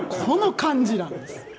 この感じなんです。